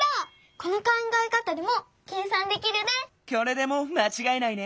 これでもうまちがえないね。